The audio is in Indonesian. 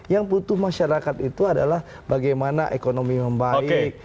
yang butuh masyarakat itu adalah bagaimana ekonomi membaik